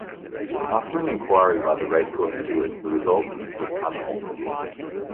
After an enquiry by the racecourse stewards the result was unaltered.